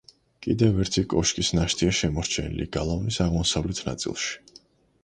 კიდევ ერთი კოშკის ნაშთია შემორჩენილი გალავნის აღმოსავლეთ ნაწილში.